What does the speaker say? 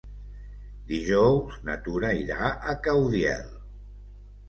Dijous na Tura irà a Caudiel.